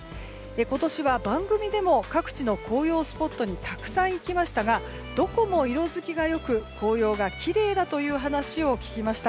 今年は番組でも各地の紅葉スポットにたくさん行きましたがどこも色づきがよく紅葉がきれいだという話を聞きました。